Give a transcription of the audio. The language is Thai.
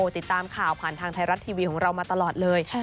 ติดตามข่าวผ่านทางไทยรัฐทีวีของเรามาตลอดเลย